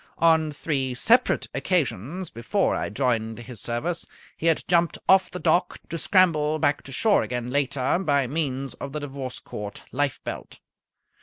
On three separate occasions before I joined his service he had jumped off the dock, to scramble back to shore again later by means of the Divorce Court lifebelt.